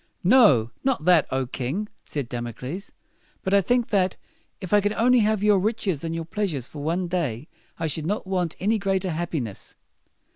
"No, not that, O king!" said Dam o cles; "but I think, that, if I could only have your riches and your pleas ures for one day, I should not want any greater hap pi ness."